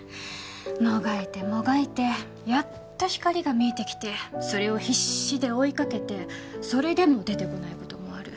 もがいてもがいてやっと光が見えてきてそれを必死で追いかけてそれでも出てこない事もある。